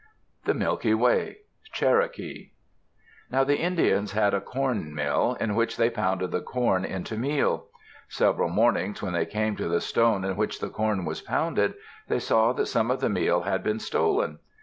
THE MILKY WAY Cherokee Now the Indians had a corn mill, in which they pounded the corn into meal. Several mornings when they came to the stone in which the corn was pounded, they saw that some of the meal had been stolen.